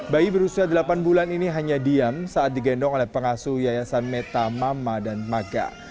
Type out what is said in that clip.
bayi berusia delapan bulan ini hanya diam saat digendong oleh pengasuh yayasan meta mama dan maga